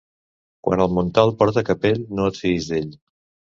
Quan el Montalt porta capell, no et fiïs d'ell.